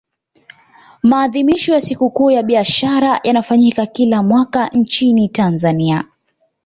maadhimisho ya sikukuu ya biashara yanafanyika kila mwaka nchini tanzania